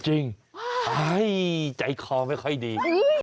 เฮ้ยใจคลอไม่ค่อยดี